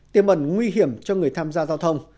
tiêm ẩn nguy hiểm cho người tham gia giao thông